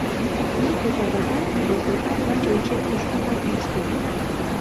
Ик озаватат росотам лач ончен куштен ок мошто.